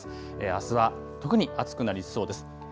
あすは特に暑くなりそうです。